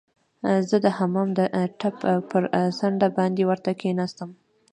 زه د حمام د ټپ پر څنډه باندې ورته کښیناستم.